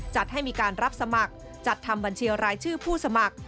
จัดให้มีการรับสมัครจัดทำบัญชีรายชื่อผู้สมัคร